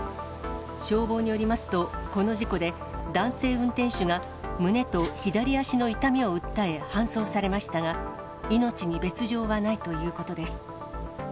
消防によりますと、この事故で、男性運転手が胸と左足の痛みを訴え、搬送されましたが、命に別状はないということです。